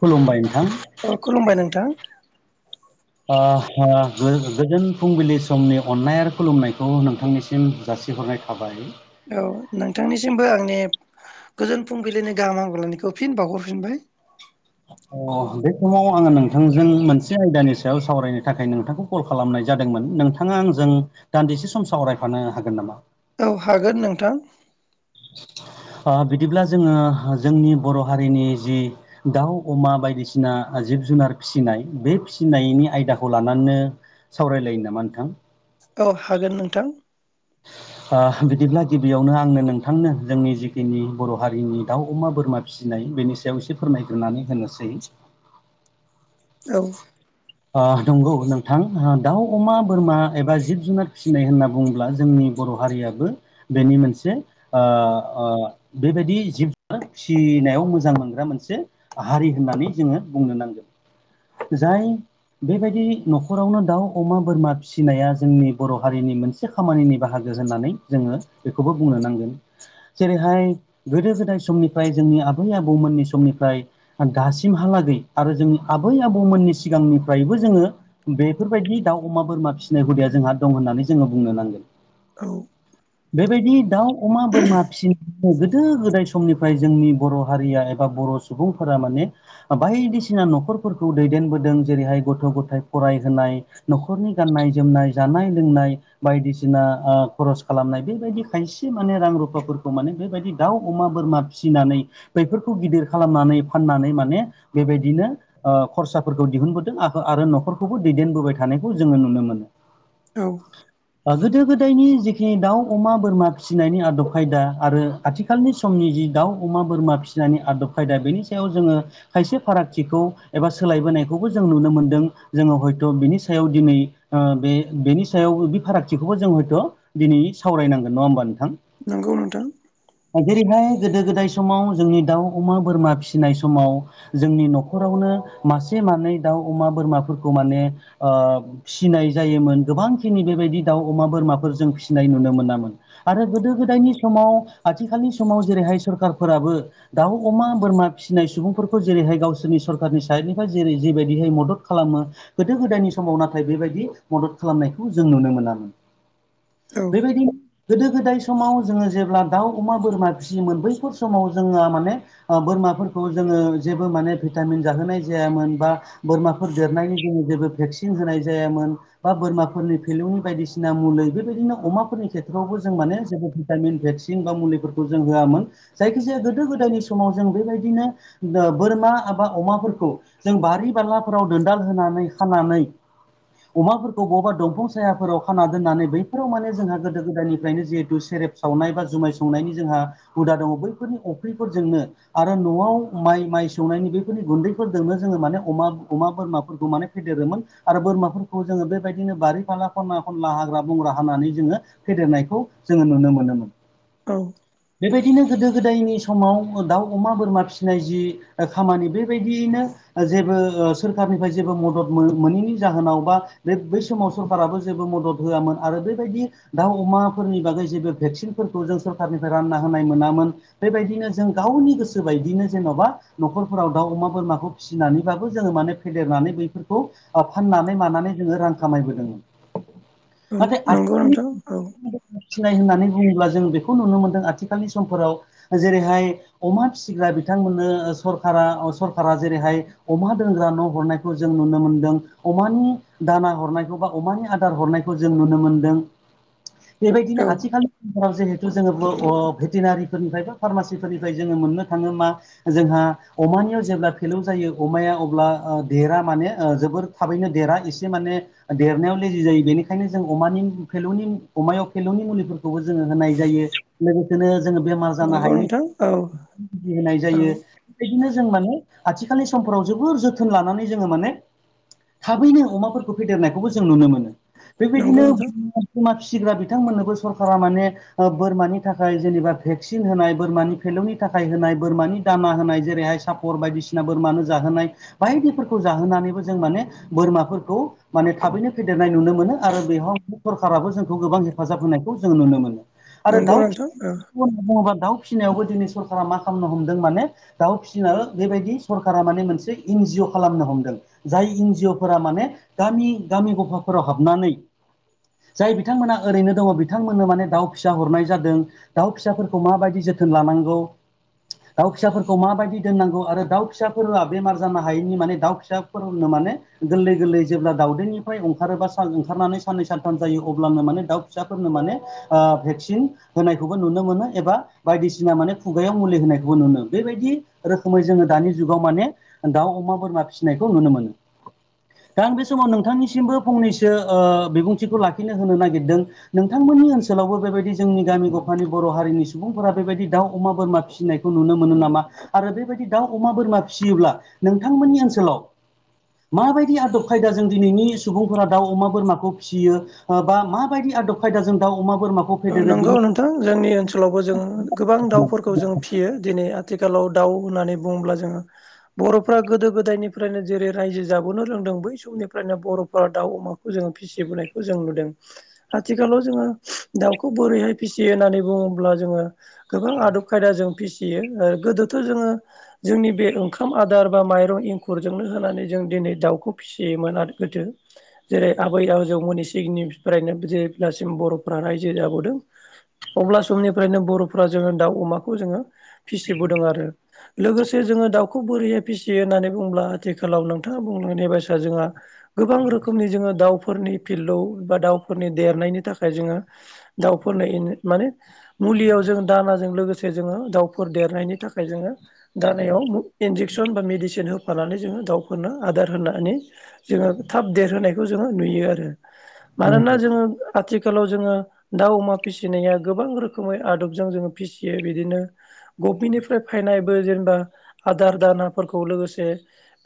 खुलुमबाय नोंथां औ खुलुमबाय नोंथां। ओ ओ गो गोजोन फुंबिलि समनि अननाय आरो खुलुमनायखौ नोंथांनिसिम जासिहरनाय थाबाय। हाबाय औ नोंथांनिसिमबो आंनि गोजोन फुंबिलिनि गाहाम हामगलायनायखौ फिन बावहरफिनबाय। अ बे समाव आङो नोंथांजों मोनसे आयदानि सायाव सावरायनो थाखाय नोंथांखौ कल खालामनाय जादोंमोन नोंथाङा आंजों दान्दिसे सम सावरायफानो हागोन नामा? औ हागोन नोंथां। ओ बिदिब्ला जोङो जोंनि बर' हारिनि जि दाउ अमा बायदिसिना जिब जुनार फिसिनाय, बे फिसिनायनि आयदाखौ लानानैनो सावरायलायनो नामा नोंथां? औ हागोन नोंथां। [inaudible] ओ बिदिब्ला गिबियावनो आंनो नोंथांनो जोंनि जिखिनि बर' हारिनि दाउ, अमा, बोरमा फिसिनाय बेनि सायाव एसे फोरमायग्रोनानै होनोसै। औ। ओ नंगौ नोंथां दाउ अमा बोरमा एबा जिब जुनार फिसिनाय होनना बुंङो। ब्ला जोंनि बर' हारियाबो बेनि मोनसे ओ ओ बेबायदि जिब जुनार फिसिनायाव मोजां मोनग्रा मोनसे हारि होननानै जोङो बुंनो नांगोन, जाय बेबायदि न'खरावनो दाउ अमा बोरमा फिसिनाया जोंनि बर' हारिनि मोनसे मोनसे खामानिनि बाहागो होननानै जोङो बेखौबो बुंनो नांगोन। जेरैहाय गोदो गोदाय समनिफ्राय जोंनि आबै आबौमोननि समनिफ्राय दासिमहालागै आरो जोंनि आबै आबौमोननि सिगांनिफ्रायबो जोङो बेफोरबायदि दाउ अमा बोरमा फिसिनाय हुदाया जोंहा दं होननानै जोङो बुंनो नांगोन। औ। बेबायदि दाउ अमा बोरमा फिसिनो गोदो गोदाय सम समनिफ्राय जोंनि बर' हारिया एबा बर' सुबुंफोरा माने बायदिसिना न'खरफोरखौ दैदेनबोदों जेरैहाय गथ' गथाइ फरायहोनाय न'खरनि गाननाय जोमनाय जानाय लोंनाय बायदिसिना ओ खरस खालामनाय बेबायदि खायसे माने रां रुफाफोरखौ माने बेबायदि दाउ अमा बोरमा फिनानै बैफोरखौ गिदिर खालामनानै फाननानै माने बेबायदिनो ओ खरसाफोरखौ दिहुनबोदों आ आरो न'खरखौबो दैदेनबोबाय थानायखौ जोङो नुनो मोनो औ ओ गोदो गोदायनि जिखिनि दाउ अमा बोरमा फिसिनायनि आदब खायदा आरो आथिखालनि समनि जि दाउ अमा बोरमा फिसिनानै आदब खायदा बेनि सायाव जोङो खायसे फारागथिखौ एबा सोलायबोनायखौबो जों नुनो मोनदों, जोङो हयथ' बिनि सायाव दिनै ओ बे बेनि सायाव बे फारागथिखौबो जों हयथ' दिनै सावरायनांगोन नङा होमबा नोंथां? नंगौ नोंथां। जेरैहाय गोदो गोदाय समाव जोंनि दाउ अमा बोरमा फिसिनाय समाव। जोंनि न'खरावनो मासे मानै दाउ अमा बोरमाफोरखौ माने ओ फिसिनाय जायोमोन गोबांखिनि बेबायदि दाउ अमा बोरमाफोर जों फिसिनाय नुनो मोनामोन। आरो गोदो गोदायनि समाव आथिखालनि समाव जेरैहाय सरखारफोराबो दाउ अमा बोरमा फिसिनाय सुबुंफोरखौ जेरैहाय गावसिनि सरखारानि साइडनिफाय जेरै जेबायदिहाय मदद खालामो गोदो गोदायनि समाव नाथाय बेबायदि मदद खालामनायखौ जों नुनो मोना औ [inaudible] बेबायदि गोदो गोदाय समाव जोङो जेब्ला दाउ अमा बोरमा फियोमोन बैफोर समाव जोङो माने आ बोरमाफोरखौ जोङो जेबो माने भिटामिन जाहोनाय जायामोन बा बोरमाफोर देरनायनि जोङो जेबो भेक्सिन होनाय जायामोन बा बोरमाफोरनि फेलुनि बायदिसिन [unintelligible] अमाफोरनि खेथ्रआवबो जों माने जेबो भिटामिन भेक्सिन बा मुलिफोरखौ जों होआमोन जायखिजाया गोदो गोदायनि समाव जों बेबायदिनो बोरमा आबा अमाफोरखौ जों बारि बालाफोराव दोनदाल होनानै खानानै अमाफोरखौ बबावबा दंफां सायाफोराव खाना दोननानै बैफोराव माने जोंहा गोदो गोदायनिफ्रायनो जिहेतु सेरेब सावनाय बा जुमाय संनायनि जोंहा हुदा दङ बैफोरनि अफ्रिफोरजोंनो आरो न'आव माइ माइ सौनायनि बेफोरनि गुन्दैफोरजोंनो जोङो माने अमा अमा बोरमाफोरखौ माने फेदेरोमोन आरो बोरमाफोरखौ जोङो बेबायदिनो बारि फाला फला खनला हाग्रा बंग्रा हानानै जोङो फेदेरनायखौ जोङो नुनो मोनोमोन औ बेबायदिनो गोदो गोदायनि समाव दाउ अमा बोरमा फिसिनाय जि खामानि बेबायदियैनो जेबो ओ सोरखारनिफ्राय जेबो मदद मो मोनैनि जाहोनाव बा बे बै समाव सोरखाराबो जेबो मदद होआमोन आरो बेबायदि दाउ अमाफोरनि बागै जेबो भेक्सिनफोरखौ जों सरखारारनिफ्राय रानना होनाय मोनामोन बेबायदिनो जों गावनि गोसो बायदिनो जेन'बा न'खरफोराव दाउ अमा बोरमाखौ फिनानैबाबो जोङो माने फेदेरनानै बेफोरखौ फाननानै मानानै जोङो रां खामायबोदों औ नाथाय आथ नंगौ नोंथां औ [unintelligible] फिनाय होननानै बुङोब्ला जों बेखौ नुनो मोनदों आथिखालनि समफोराव जेरैहाय अमा फिसिग्रा बिथांमोननो सरखारा अ सरका जेरैहाय अमा दोनग्रा न' हरनायखौ जों नुनो मोनदों अमानि दाना हरनायखौ बा अमानि आदार हरनायखौ जों नुनो मोनदों बेबायदिनो औ आथिखालि [unintelligible] जिहेथु जोङो ब अ भेटेनारिफोरनिफ्राय थ फार्मासिफोरनिफ्राय जोङो मोननो थाङो मा जोंहा अमानियाव जेब्ला फेलौ जायो अमाया अब्ला ओ देरा माने जोबोर थाबैनो देरा इसे माने देरनायाव लेजि जायो बेनिखायनो जों अमानि फेलौनि अमायाव फेलौनि मुलिफोरखौबो जोङो होनाय जायो लोगोसेनो जोङो बेमार जानो नंगौ हायि नोंथां औ [unintelligible] होनाय औ जायो बेबायदिनो जों माने आथिखालनि समफोराव जोबोर जोथोन लानानै जोङो माने थाबैनो अमाफोरखौ फेदेरनायखौबो जों नुनो मोनो नंगौ बेबायदिनो नोंथां बिमा फिसिग्रा बिथांमोननोबो सरकारा माने बोरमानि थाखाय जेनेबा भेक्सिन होनाय बोरमानि फेलौनि थाखाय होनाय बोरमानि दाना होनाय जेरैहाय सा फर बायदिसिना बोरमानो जाहोनाय बायदिफोरखौ जाहोनानैबो जों माने बोरमाफोरखौ माने थाबैनो फेदेरनाय नुनो मोनो आरो बेयाव सरखाराराबो जोंखौ गोबां हेफाजाब होनायखौ जों नुनो मोनो आरो नंगौ दाउ नोंथां औ फिसि होनना बुङोबा दाउ फिसिनायावबो दिनै सरकारा मा खालामनो हमदों माने दाउ फिसिनो बेबायदि सरकारा माने मोनसे एनजिअ खालामनो हमदों जाय इनजिअफोरा माने गामि गामि गफाफोराव हाबनानै जाय बिथांमोनहा ओरैनो दङ बिथांमोननो माने दाउ फिसा हरनाय जादों दाउ फिसाफोरखौ माबायदि जोथोन लानांगौ दाउ फिसाफोरखौ माबायदि दोननांगौ आरो दाउ फिसाफोरआ बेमार जानो हायैनि माने दाउ फिसा [unintelligible] नो माने गोल्लै गोल्लै जेब्ला दावउदैनिफ्राय अंखारोबा ओंखारनानै साननै सानथाम जायो अब्लानो माने दाउ फिसाफोरनो माने आ भेक्सिन होनायखौबो नुनो मोनो एबा बायदिसिना माने खुगायाव मुलि होनायखौबो नुनो बेबायदि रोखोमै जोङो दानि जुगाव माने दाउ अमा बोरमा फिसिनायखौ नुनो मोनो दा आं बे समाव नोंथांनिसिमबो फंनैसो ओ बिबुंथिखौ लाखिनो होनो नागिरदों नोंथांमोननि ओनसोलावबो बेबायदि जोंनि गामि गफानि बर' हारिनि सुबुंफोरा बेबायदि दाउ अमा बोरमा फिसिनाय नुनो मोनो नामा आरो बेबायदि दाउ अमा बोरमा फिसियोब्ला नोंथांमोननि ओनसोलाव माबायदि आदब खायदा जों दिनैनि सुबुंफोरा दाउ अमा बोरमाखौ फिसियो बा माबायदि आदब खायदा जों दाउ अमा बोरमाखौ फेदेरो नंगौ बिनि नोंथां जोंनि ओनसोलावबो जों गोबां दाउफोरखौ जों फियो दिनै आथिखालाव दाउ होननानै बुङोब्ला जोङो बर'फ्रा गोदो गोदायनिफ्रायनो जेरै रायजो जाबोनो रोंदों बै समनिफ्रायनो बर'फोरा दाउ अमाखौ जोङो फि फसिबोनायखौ जों नुदों आथिखालाव जोङो दाउखौ बोरैहाय फिसियो होननानै बुङोब्ला जोङो गोबां आदब खायदा जों फिसियो आरो ओ गोदोथ' जोङो जोंनि बे ओंखाम आदार बा माइरं एंखुरजोंनो होनानै जों दिनै दाउखौ फिसि सिमोना गोदो जेरै आबै आबजौमोननि सिगांनिफ्रायनो जेसिम बर'फ्रा रायजो जाबोदों अब्ला समनिफ्रायनो बर'फोरा जोङो दाउ अमाखौ जोङो फिसिबोदों आरो लोगोसे जोङो दाउखौ बोरैहाय फिसियो होननानै बुंब्ला आथिखालाव नोंथाङा बुंलांनाय बायसा जोंहा गोबां रोखोमनि जोङो दाउफोरनि फिल्डाव बा दाउफोरनि देरनायनि थाखाय जोङो दाउफोर नो माने मुलियाव जों दानाजों लोगोसे जोङो दाउफोर देरनायनि थाखाय जोङो दानायाव इन्जेकसन बा मेडिसिन होफानानै जोङो दाउफोरनो आदार होनानै जोङो थाब देरहोनायखौ जोङो नुयो आरो मानोना जोङो आथिखालाव जोङो दाउ अमा फिसिनाया गोबां रोखोमै आदबजों जोङो फिसियो बिदिनो गभमेन्टनिफ्राय फायनायबो जेनेबा आदार दानाफोरखौ लोगोसे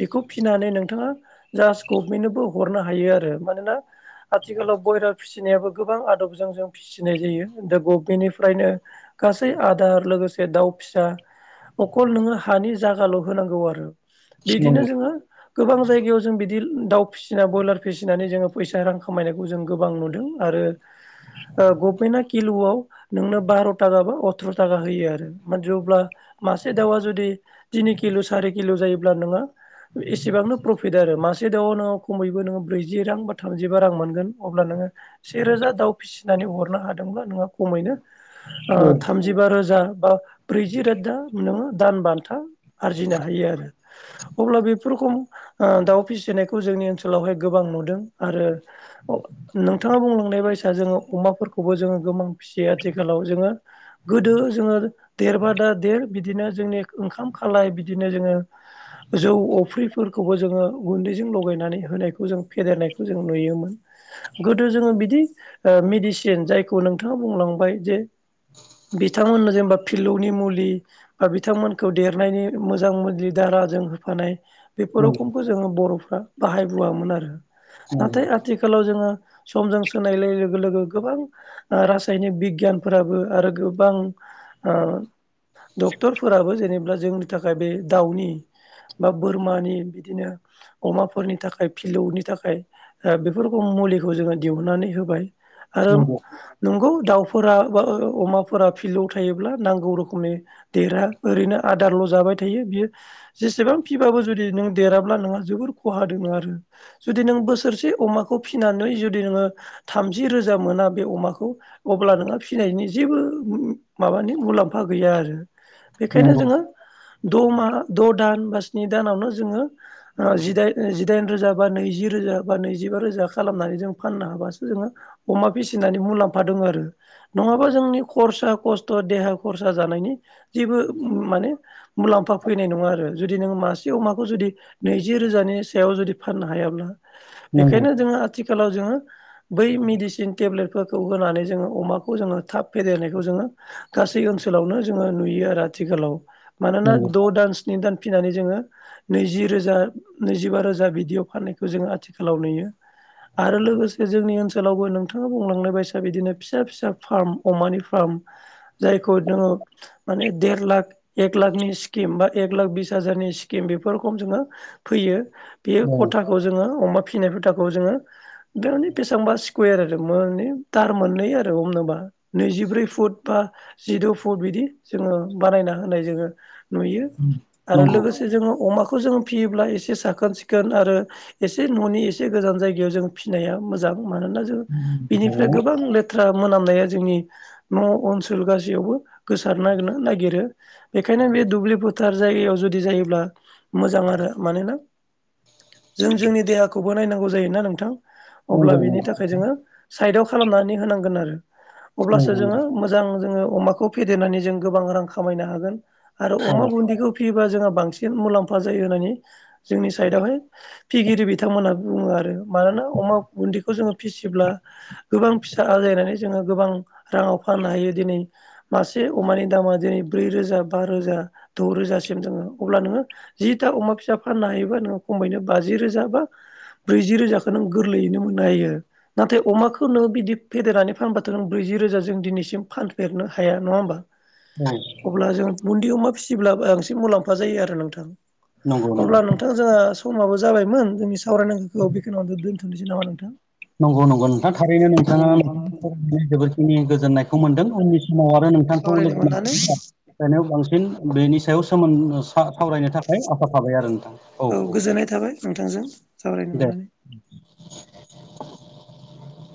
बेखौ फिनानै नोंथाङा जास्ट गभमेन्टनोबो हरनो हायो आरो मानोना आथिखालाव बयरार फिसिनायाबो गोबां आदबजों जों फिसिनाय जायो दा गभमेन्टनिफ्रायनो गासै आदार लोगोसे दाउ फिसा अखल नोङो हानि जायागाल' होनांगौ आरो बिदिनो जोङो गोबां जायगायाव जों बिदि दाउ फिसिना ब्रयलार फिसिनानै जोङो फैसा रां खामायनायखौ जों गोबां नुदों आरो गभमेन्टआ किल'आव नोंनो बार' थाखा बा अथ्र' थाखा होयो आरो माने अब्ला मासे दाउआ जुदि तिनि किल' सारि किल' जायोब्ला नोङो एसेबांनो प्रफिट फैदो आरो मासे दाआव नोङो खमैबो नोङो ब्रैजि रां बा थामजिबा रां मोनगोन अब्ला नोङो सेेरोजा दाउ फिसिनानै हरनो हादोंब्ला नोंहा खमैनो ओ थामजि जिबा रोजा बा ब्रैजि रोजा नोङो दान बान्था आरजिनो हायो आरो अब्ला बे बेफोरखम ओ दाउ फिसिनायखौ जोंनि ओनसोलावहाय गोबां नुदों आरो नोंथाङा बुंलांनाय बायदिसि जोङो अमाफोरखौबो जोङो गोबां फिसि आथिखालाव जोङो गोदो जोङो देरबादा देर बिदिनो जोंनि ओंखाम खालाय बिदिनो जोङो जौ अफ्रिफोरखौबो जोङो गुन्दैजों लगायनानै होनायखौ जों फेदेरनायखौ जों नुयोमोन। गोदो जोङो बिदि ओ-मेडिसिन जायखौ नोंथाङा बुंलांबाय जे बिथांमोननो जेनेबा फिलौनि मुलि बा बिथांमोनखौ देरनायनि मोजां दाराजों होफानाय बेफोर रोखोमखौ जोङो बर'फ्रा बाहायबोआमोन आरो नाथाय आथिल आथिखालाव जोङो समजों सोनायलाय लोगो लोगो गोबां रासायनिक बिगियानफोराबो आरो गोबां डक्टरफोराबो जेनेबा जोंनि थाखाय बे दाउनि बा बोरमानि बिदिनो अमाफोरनि थाखाय फिलौनि थाखाय ओ-बेफोरखौ मुलिखौ जोङो दिहुननानै होबाय। आरो नंगौ नंगौ दाउफोरा बा अमाफोरा फिल्डआव थायोब्ला नांगौ रोखोमनि देरा ओरैनो आदारल' जाबाय थायो बियो। जेसेबां फिबाबो जुदि नों देराब्ला नोंहा जोबोर खहा दोङो आरो। जुदि नों बोसोरसे अमाखौ फिनानै जुदि नोङो थामजि रोजा मोना बे अमाखौ अब्ला नोंहा फिनायनि जेबो माबानि मुलाम्फा गैया आरो। औ बेखायनो नंगौ जोङो द'मा द' दान बा स्नि दानावनो जोङो। ओ-जि जिदाइन रोजा बा नैजि रोजा बा नैजिबा रोजा खालामनानै जों फाननो हाबासो। जोङो अमा फिसिनानै मुलाम्फा दङ आरो। नङाबा जोंनि खरसा खस्थ' देहा खरसा जानायनि जेबो माने मुलाम्फा फैनाय नङा आरो जुदि नोङो मासे अमाखौ जुदि नैजि रोजानि सायाव जुदि फाननो हायाब्ला नंगौ बेखायनो जोङो आथिखालाव जोङो बै मेडिसिन टेब्लेटफोरखौ होनानै जोङो अमाखौ जोङो थाब फेदेरनायखौ जोङो। गासै ओनसोलावनो जोङो नुयो आरो आथिखालाव मानोना नंगौ द' दानस स्नि दानफिनानै जोङो। नैजि रोजा नैजिबा रोजा बिदियाव फाननायखौ जोंङो आथिखालाव नुयो आरो लोगोसे जोंनि ओनसोलावबो नोंथाङा बुंलांनाय बायसा बिदिनो फिसा फिसा फार्म अमानि फार्म। जायखौ नोङो माने देर लाख एक लाखनि स्किम बा एक लाख बिस हाजारनि स्किम बेफोरखौ जोङो फैयो बेयो नंगौ खथाखौ जोङो अमा फिसिनाय खथाखौ जोङो दानि बेसेबांबा स्कुवेर आरो माने दार मोननै आरो हमनोबा नैजिब्रै फुट बा जिद' फुट बिदि जोङो बानायना होनाय जोङो नुयो। आरो नंगौ नंगौ औ नंगौ लोगोसे जोङो अमाखौ जोङो फियोब्ला एसे साखोन सिखोन आरो एसे न'नि एसे गोजान जायगायाव जों फिनाया मोजां। जां मानोना जों बिनिफ्राय गोबां लेथ्रा मोनामनाया जोंनि न' ओनसोल गासैयावबो गोसारनानो नागिरो। बेखायनो बे दुब्लि फोथार जायगायाव जुदि जायोब्ला मोजां आरो मानोना जों जोंनि देहाखौबो नायनांगौ जायोना नोंथां। अब्ला नंगौ बिनि नंगौ थाखाय जोङो साइदाव खालामनानै होनांगोन आरो अब्लासो जोङो। नंगौ मोजां जोङो अमाखौ फेदेरनानै जों गोबां रां खामायनो हागोन आरो अमा बुन्दिखौ फियोबा जोंहा बांसिन मुलाम्फा जायो होननानै जोंनि साइडआवहाय फिगिरि बिथांमोनहा बुङो आरो मानोना अमा बुन्दिखौ जोङो फिसिब्ला गोबां फिसा आजायनानै जोङो गोबां राङाव फाननो हायो दिनै मासे अमानि दामा दिनै ब्रै रोजा बा रोजा द' रोजासिम जोङो अब्ला नोङो जिथा अमा फिसा फाननो हायोबा नोङो खमायनो बाजि रोजा बा ब्रैजि रोजाखौ नों गोरलैयैनो मोननो हायो। नाथाय अमाखौ नों बिदि फेदेरनानै फानबाथ' नों ब्रैजि रोजा जों दिनैसिम फानफेरनो हाया नङा होमबा? औ अब्ला जों बुन्दि अमा फिसिब्ला बांसिन मुलाम्फा जायो आरो नोंथां। नंगौ नंगौ अब्ला नों नोंथां जोंहा समाबो जाबायमोन जोंनि सावरायनांगौखौ बेखिनियावनो दोनथ'नोसै नामा नोंथां? नंगौ नगौ नोंथां। थारैनो नोंथाङा नोंनि फरायनानै जोबोरखिनि गोजोननाय खौ मोनदों उननि समाव आरो नोंथांखौ सावरायनो लोगो मोननानै मोन जाव बांसिन बेनि सायाव सोमोन्दो सावरायनो थाखाय आसा थाबाय आरो नोंथां औ औ गोजोननाय थाबाय नोंथांजों सावरायनो दे दे मोननानै [inaudible] [inaudible]